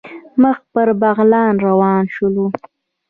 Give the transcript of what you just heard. مخ پر بغلان روان شولو.